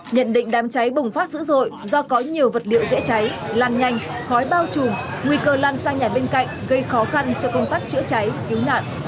nhận định đám cháy bùng phát dữ dội do có nhiều vật liệu dễ cháy lan nhanh khói bao trùm nguy cơ lan sang nhà bên cạnh gây khó khăn cho công tác chữa cháy cứu nạn